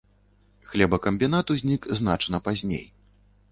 Хлебакамбінат узнік значна пазней.